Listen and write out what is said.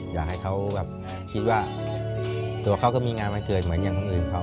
อยากให้เขาแบบคิดว่าตัวเขาก็มีงานวันเกิดเหมือนอย่างคนอื่นเขา